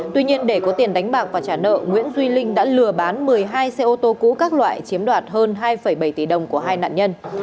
tuy nhiên để có tiền đánh bạc và trả nợ nguyễn duy linh đã lừa bán một mươi hai xe ô tô cũ các loại chiếm đoạt hơn hai bảy tỷ đồng của hai nạn nhân